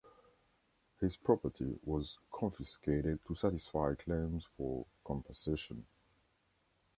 His property was confiscated to satisfy claims for compensation.